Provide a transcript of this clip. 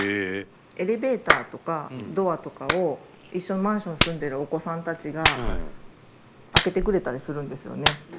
エレベーターとかドアとかを一緒のマンション住んでるお子さんたちが開けてくれたりするんですよね。